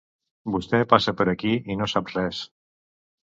Vostè passa per aquí i no sap res.